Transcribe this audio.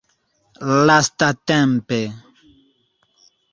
lastatempe